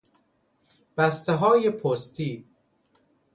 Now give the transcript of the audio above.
بستههای پستی